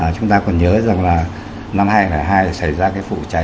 chúng ta còn nhớ rằng là năm hai nghìn hai xảy ra cái vụ cháy